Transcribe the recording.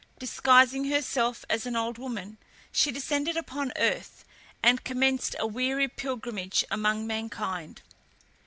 Disguising herself as an old woman, she descended upon earth, and commenced a weary pilgrimage among mankind.